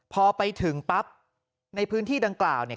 พอไปถึงปั๊บในพื้นที่ดังกล่าวเนี่ย